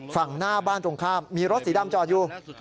ฝั่งหน้าบ้านตรงข้ามมีรถสีดำจอดอยู่